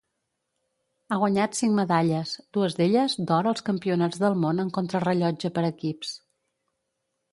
Ha guanyat cinc medalles, dues d'elles d'or als Campionats del món en contrarellotge per equips.